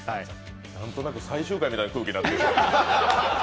何となく最終回みたいな空気になってる。